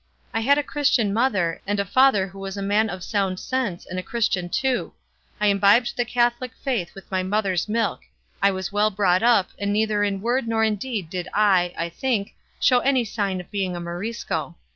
I had a Christian mother, and a father who was a man of sound sense and a Christian too; I imbibed the Catholic faith with my mother's milk, I was well brought up, and neither in word nor in deed did I, I think, show any sign of being a Morisco.